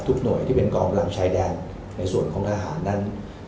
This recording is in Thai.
หน่วยที่เป็นกองกำลังชายแดนในส่วนของทหารนั้น